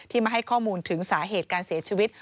มาให้ข้อมูลถึงสาเหตุการเสียชีวิต